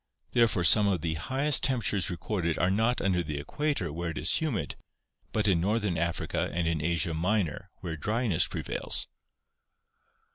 Therefore some of the highest temperatures recorded are not under the equator where it is humid but in northern Africa and in Asia Minor where dryness prevails.